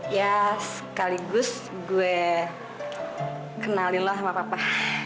ya sekaligus gue kenalin lah sama papa